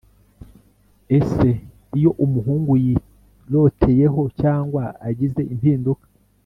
Ese iyo umuhungu yiroteyeho cyangwa agize impinduka